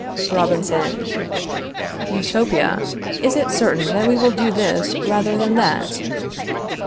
Robinson. Utopia! Is it certain that we will do this rather than that?